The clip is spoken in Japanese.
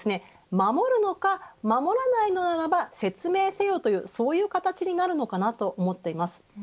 守るのか、守らないのならば説明せよというそういう形になるのかなと思っています。